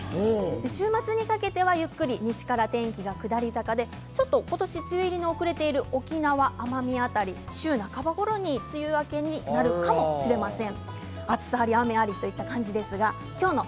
週末にかけては西から天気が下り坂で梅雨入りの遅れている沖縄、奄美辺りは週半ばころに梅雨入りになるかもしれません。